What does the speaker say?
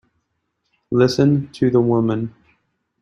Listen to the woman!